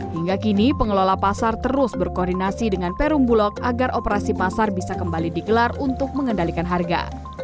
hingga kini pengelola pasar terus berkoordinasi dengan perum bulog agar operasi pasar bisa kembali digelar untuk mengendalikan harga